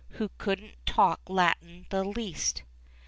Who couldn't talk Latin the least.